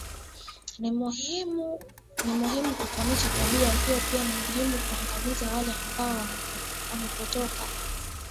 Ni muhimu kukomesha tabia hiyo pia ni muhimu kuwaangazia wale ambao wamepotoka